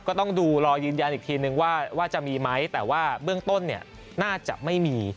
ก็ต้องดูรอยืนยันอีกทีนึงว่าจะมีไหมแต่ว่าเบื้องต้นเนี่ยน่าจะไม่มี